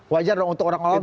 wajar untuk orang orang